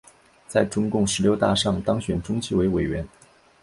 在中共十六大上当选中纪委委员。